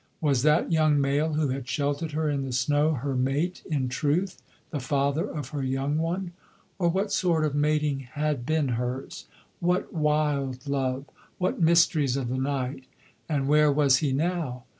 Was that young male who had sheltered her in the snow her mate in truth, the father of her young one? Or what sort of mating had been hers? What wild love? What mysteries of the night? And where was he now?